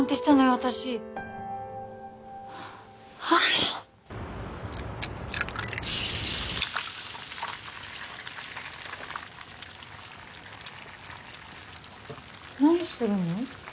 私あっ何してるの？